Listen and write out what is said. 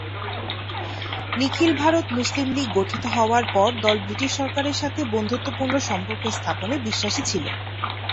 নিখিল Bharat Muslim League গঠিত হওয়ার পর দল ব্রিটিশ সরকারের সাথে বন্ধুত্বপূর্ণ সম্পর্ক স্থাপনে বিশ্বাসী ছিল।